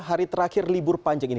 hari terakhir libur panjang ini